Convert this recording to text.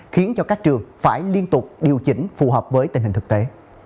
khiến cho các trường phải liên tục điều chỉnh phù hợp với tình hình thực tế